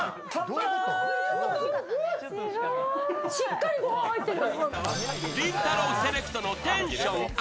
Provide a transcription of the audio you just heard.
しっかりご飯入ってる。